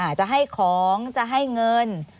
จะให้ของจะให้เงิน